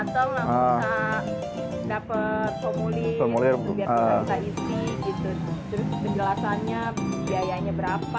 terus penjelasannya biayanya berapa